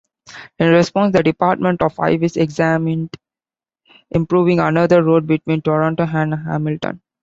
In response, the Department of Highways examined improving another road between Toronto and Hamilton.